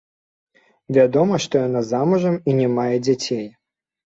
Вядома, што яна замужам і не мае дзяцей.